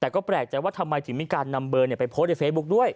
แต่ก็แปลกใจว่าทำไมถึงมีการนำเบอร์ไปโพสต์ในเฟซบุ๊คด้วย